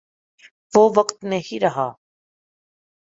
وہ وقت نہیں رہا۔